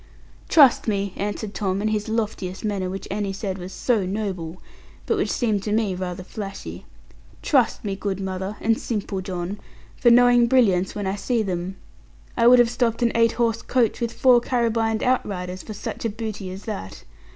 'Trust me,' answered Tom, in his loftiest manner, which Annie said was 'so noble,' but which seemed to me rather flashy, 'trust me, good mother, and simple John, for knowing brilliants, when I see them. I would have stopped an eight horse coach, with four carabined out riders, for such a booty as that.